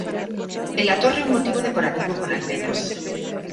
En la torre un motivo decorativo con almenas.